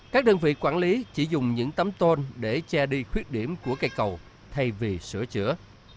các đơn vị quản lý chỉ dùng những tấm tôn để che đi khuyết điểm của cây cầu thay vì sửa chữa